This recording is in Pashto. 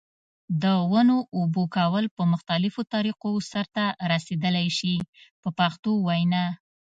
د ونو اوبه کول په مختلفو طریقو سرته رسیدلای شي په پښتو وینا.